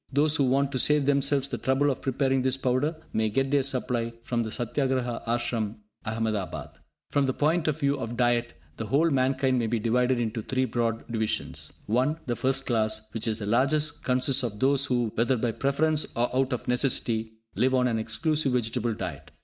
Those who want to save themselves the trouble of preparing this powder may get their supply from the Satyagraha Ashram, Ahmedabad. From the point of view of diet, the whole mankind may be divided into three broad divisions. (1) The first class, which is the largest, consists of those who, whether by preference or out of necessity, live on an exclusive vegetable diet.